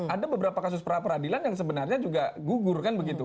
ada beberapa kasus pra peradilan yang sebenarnya juga gugur kan begitu